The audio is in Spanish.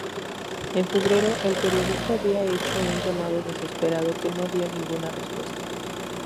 En febrero el periodista había hecho un llamado desesperado que no dio ninguna respuesta.